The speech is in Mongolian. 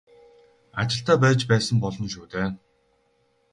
Ажилтай байж байсан болно шүү дээ.